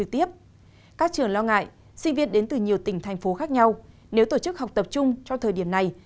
đến từ nhiều tỉnh thành phố khác nhau nếu tổ chức học tập chung trong thời điểm này